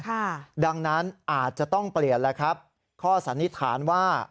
ค่ะดังนั้นอาจจะต้องเปลี่ยนแล้วครับข้อสันนิษฐานว่า